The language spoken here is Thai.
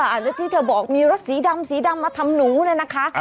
แล้วที่เธอบอกมีรถสีดำสีดำมาทำหนูเนี่ยนะคะ